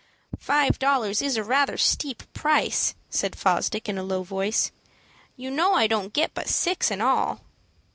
"Five dollars is rather a steep price," said Fosdick, in a low voice. "You know I don't get but six in all."